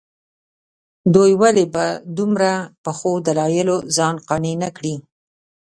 دوی ولې په دومره پخو دلایلو ځان قانع نه کړي.